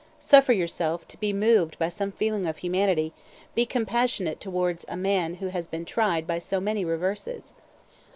Suffer yourself to be moved by some feeling of humanity: be compassionate towards a man who has been tried by so many reverses!